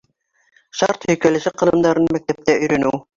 Шарт һөйкәлеше ҡылымдарын мәктәптә өйрәнеү